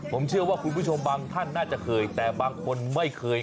ผมเชื่อว่าคุณผู้ชมบางท่านน่าจะเคยแต่บางคนไม่เคย